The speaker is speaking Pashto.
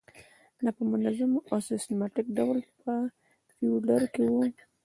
دا په منظم او سیستماتیک ډول په فولډر کې وي.